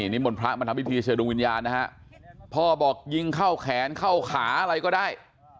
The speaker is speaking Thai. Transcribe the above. นิมนต์พระมาทำพิธีเชิญดวงวิญญาณนะฮะพ่อบอกยิงเข้าแขนเข้าขาอะไรก็ได้